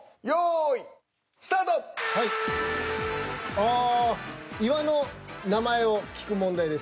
ああ岩の名前を聞く問題です。